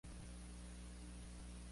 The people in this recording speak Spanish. En aguas profundas del Perú.